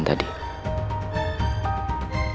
tidak ada yang tahu